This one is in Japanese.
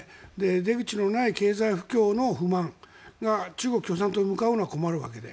出口のない経済不況の不満が中国共産党に向かうのは困るわけで。